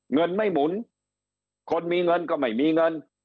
เงินไม่หมุนคนมีเงินก็ไม่มีเงิน